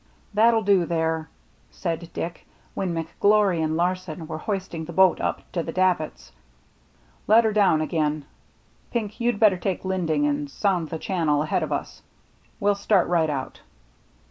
"That'll do there," said Dick, when Mc Glory and Larsen were hoisting the boat up to the davits. " Let her down again. Pink, you'd better take Linding and sound the channel ahead of us. We'll start right out."